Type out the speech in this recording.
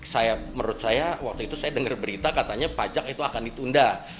saya menurut saya waktu itu saya dengar berita katanya pajak itu akan ditunda